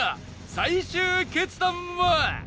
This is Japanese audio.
最終決断は！？